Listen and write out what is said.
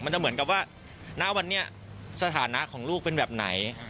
จะเหมือนกับว่าณวันนี้สถานะของลูกเป็นแบบไหน